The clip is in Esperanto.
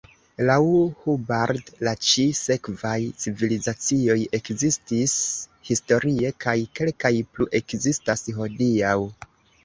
Laŭ Hubbard, la ĉi sekvaj civilizacioj ekzistis historie kaj kelkaj plu ekzistas hodiaŭ.